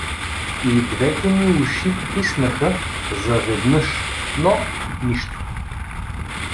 И двете ми уши писнаха заведнаж… но… нищо!